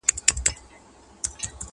هغه زلمو او بوډاګانو ته منلی چنار!.